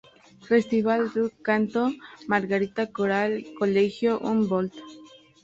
Festival D’Canto, Margarita, Coral Colegio Humboldt.